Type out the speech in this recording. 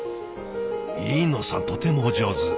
飯野さんとてもお上手。